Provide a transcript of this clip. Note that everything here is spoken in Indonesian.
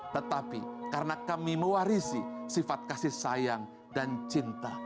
tetapi karena kami mewarisi sifat kasih sayang dan cinta